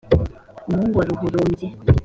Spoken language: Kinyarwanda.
umuhungu wa ruhurubyi,